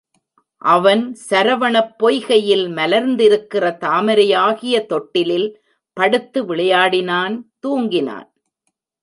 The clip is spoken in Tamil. அவன் சரவணப் பொய்கையில் மலர்ந்திருக்கிற தாமரையாகிய தொட்டிலில் படுத்து விளையாடினான் தூங்கினான்.